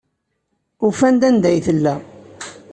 Ufan-d anda ay tella.